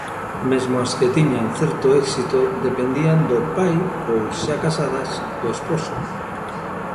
Mesmo as que tiñan certo éxito dependían do pai ou, xa casadas, do esposo.